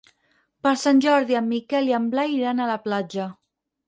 Per Sant Jordi en Miquel i en Biel iran a la platja.